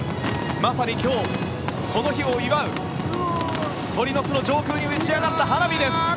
まさに今日、この日を祝う鳥の巣の上空に打ち上がった花火です。